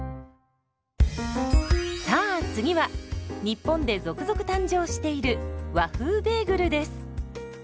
さあ次は日本で続々誕生している「和風ベーグル」です。